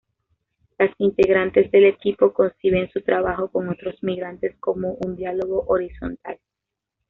Las integrantes del equipo conciben su trabajo con otros migrantes como un diálogo horizontal.